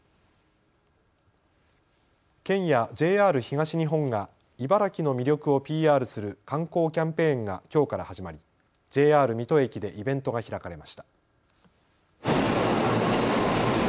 県やＪＲ東日本が茨城の魅力をＰＲする観光キャンペーンがきょうから始まり、ＪＲ水戸駅でイベントが開かれました。